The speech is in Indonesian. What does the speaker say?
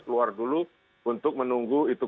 keluar dulu untuk menunggu itu